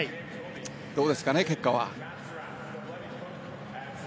どうですかね、結果は。